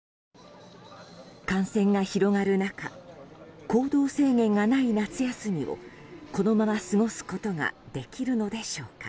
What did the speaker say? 感染が広がる中行動制限がない夏休みをこのまま過ごすことができるのでしょうか。